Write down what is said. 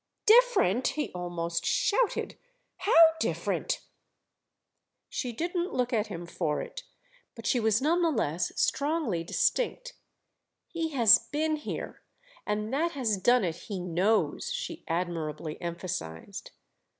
"Different?" he almost shouted—"how, different?" She didn't look at him for it, but she was none the less strongly distinct "He has been here—and that has done it He knows," she admirably emphasised.